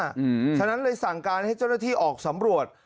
เพราะฉะนั้นเลยสั่งการให้เจ้าหน้าที่ออกสำรวจ